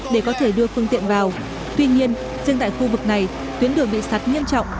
để có thể đưa phương tiện vào tuy nhiên riêng tại khu vực này tuyến đường bị sạt nghiêm trọng